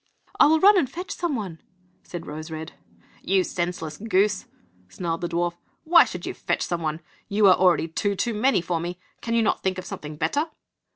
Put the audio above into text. "I will run and fetch some one," said Rose red. "You senseless goose!" snarled the dwarf; "why should you fetch some one? You are already two too many for me; can you not think of something better?"